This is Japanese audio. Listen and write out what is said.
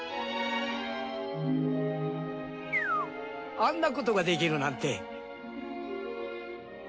「あんなことができるなんて」